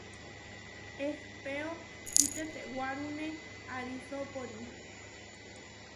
Ehpéo kitetewárune arisópori.